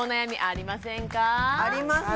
あります